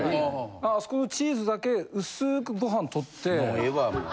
あそこのチーズだけうすくご飯とって。